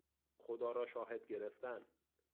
خدا را شاهد گرفتن